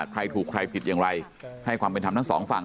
ใครถูกใครผิดอย่างไรให้ความเป็นธรรมทั้งสองฝั่ง